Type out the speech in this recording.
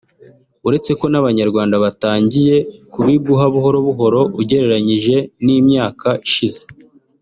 uretse ko n’Abanyarwanda batangiye kubigura buhoro buhoro ugereranyije n’imyaka ishize